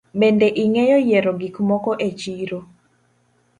Bende ingeyo yiero gik moko e chiro.